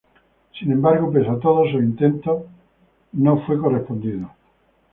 Sin embargo, pese a todos sus intentos, no fue correspondido.